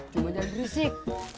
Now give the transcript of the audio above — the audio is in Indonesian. cuma jangan berisik